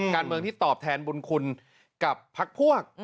การเมืองที่ตอบแทนบุญคุณกับพักพวก